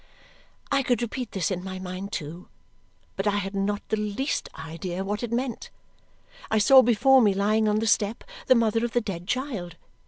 I could repeat this in my mind too, but I had not the least idea what it meant. I saw before me, lying on the step, the mother of the dead child.